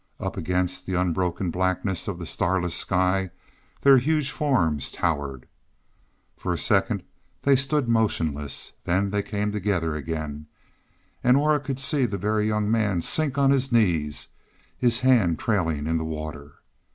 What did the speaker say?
Up against the unbroken blackness of the starless sky their huge forms towered. For a second they stood motionless; then they came together again and Aura could see the Very Young Man sink on his knees, his hand trailing in the water.